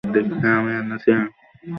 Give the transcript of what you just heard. হা, আমি এনেছি।